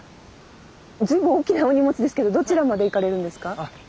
随分大きなお荷物ですけどどちらまで行かれるんですか？